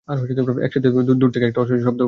এর সাথে সাথে দূর থেকে এক অট্টহাসির শব্দও ভেসে আসে।